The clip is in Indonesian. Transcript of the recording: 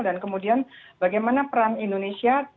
dan kemudian bagaimana peran indonesia